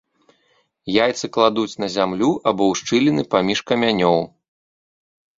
Яйцы кладуць на зямлю або ў шчыліны паміж камянёў.